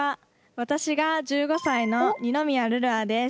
私が１５歳の二宮琉々愛です。